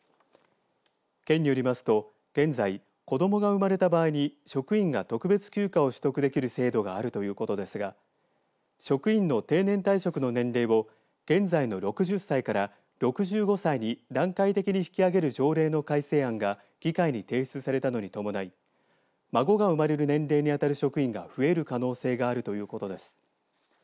県によりますと、現在子どもが生まれた場合に職員が特別休暇を取得できる制度があるということですが職員の定年退職の年齢を現在の６０歳から６５歳に段階的に引き上げる条例の改正案が議会に提出されたのに伴い孫が生まれる年齢に当たる職員が増える可能性があるということです。